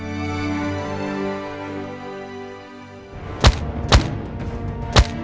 peksi kita berhutang hadi akk